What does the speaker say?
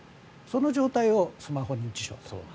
その状態をスマホ認知症と。